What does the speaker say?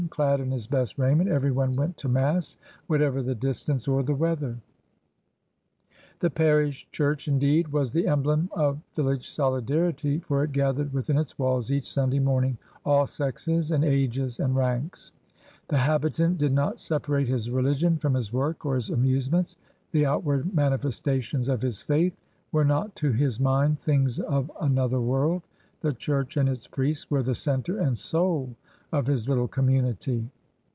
Clad in his best raiment, every one went to Mass, whatever the distance or the weather. HOW THE PEOPLE LIVED 219 The parish church indeed was the emblem of vil lage solidarity, for it gathered within its walls each Simday morning all sexes and ages and ranks. The habitant did not separate his religion from his work or his amusements; the outward manifes tations of his faith were not to his mind things of another world; the church and its priests were the center alad soul of his little community.